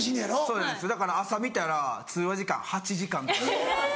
そうですだから朝見たら通話時間８時間とか。